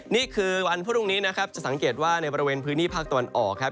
นี่คือวันพรุ่งนี้นะครับจะสังเกตว่าในบริเวณพื้นที่ภาคตะวันออกครับ